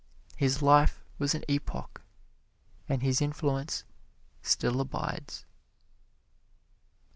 His life was an epoch, and his influence still abides.